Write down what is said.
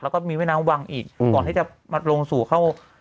แล้วก็มีแม่น้ำวังอีกก่อนที่จะมาลงสู่เข้า